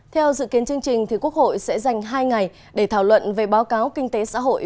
theo dự kiến chương trình quốc hội sẽ dành hai ngày để thảo luận về báo cáo kinh tế xã hội